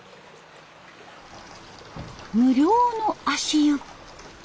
無料の足湯。